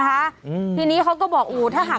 วันนี้จะเป็นวันนี้